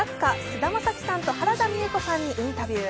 菅田将暉さんと原田美枝子さんにインタビュー。